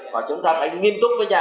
và chúng ta phải nghiêm túc với nhau